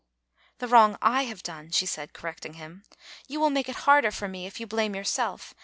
" The wrong I have done, " she said, correcting him. " You will make it harder for me if you blame your self.